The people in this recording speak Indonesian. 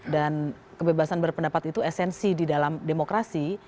dan kebebasan berpendapat itu esensi di dalam demokrasi